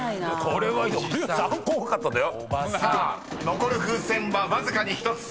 ［残る風船はわずかに１つ］